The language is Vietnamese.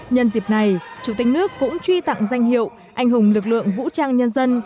nhân dịp này chủ tịch nước cũng truy tặng danh hiệu anh hùng lực lượng vũ trang nhân dân